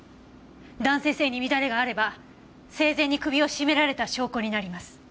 弾性繊維に乱れがあれば生前に首を絞められた証拠になります。